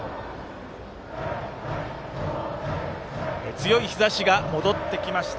強い日ざしが戻ってきました。